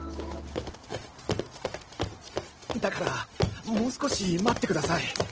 だからもう少し待ってください。